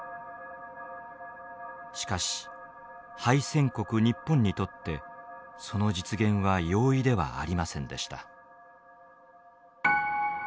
しかし敗戦国日本にとってその実現は容易ではありませんでした。